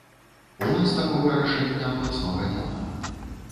У нас такога рашэння абласнога няма.